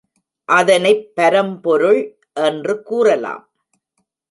அதனைப் பரம்பொருள் என்று கூறலாம்.